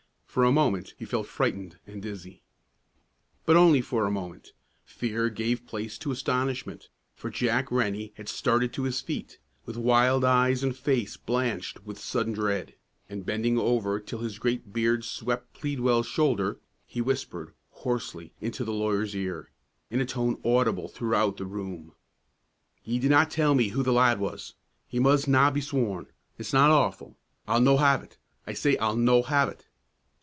For a moment he felt frightened and dizzy. But only for a moment; fear gave place to astonishment, for Jack Rennie had started to his feet, with wild eyes and face blanched with sudden dread, and, bending over till his great beard swept Pleadwell's shoulder, he whispered, hoarsely, into the lawyer's ear, in a tone audible throughout the room, "Ye did na tell me who the lad was! He mus' na be sworn; it's na lawfu'. I'll no' have it; I say I'll no' have it!"